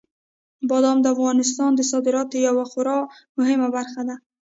بادام د افغانستان د صادراتو یوه خورا مهمه برخه ده.